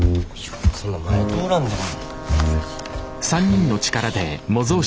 そんな前通らんでも。